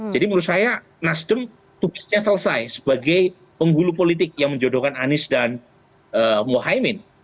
jadi menurut saya nasdem tugasnya selesai sebagai penggulu politik yang menjodohkan anies dan muhammad